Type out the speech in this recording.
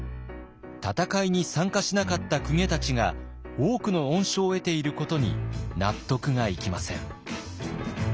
戦いに参加しなかった公家たちが多くの恩賞を得ていることに納得がいきません。